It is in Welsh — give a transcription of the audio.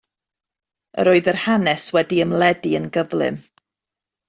Yr oedd yr hanes wedi ymledu yn gyflym.